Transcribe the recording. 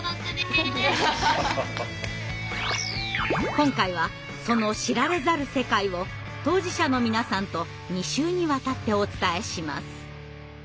今回はその知られざる世界を当事者の皆さんと２週にわたってお伝えします。